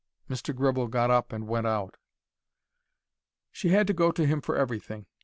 Mr. Gribble got up and went out. She had to go to him for everything.